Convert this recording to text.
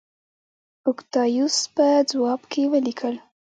اوکتایوس په ځواب کې ولیکل